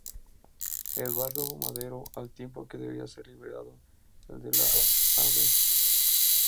Eduardo Madero, al tiempo que debía ser liberado el de la Av.